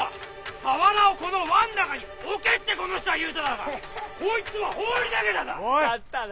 俵をこの輪ん中に「置け」ってこの人は言っただがこいつは放り投げただ！